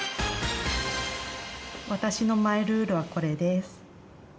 私のマイルールはこれです。